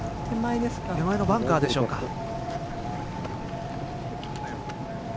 手前のバンカーでしょうか。